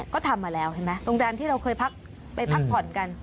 ก็ทำมาแล้วเห็นไหมโรงแรมที่เราเคยพักไปพักผ่อนกัน